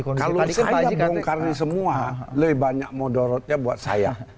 kalau saya gak bongkarin semua lebih banyak motorotnya buat saya